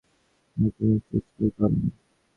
না কোনো চেষ্টাই করে নি?